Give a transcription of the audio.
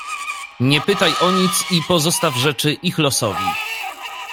"Nie pytaj o nic i pozostaw rzeczy ich losowi."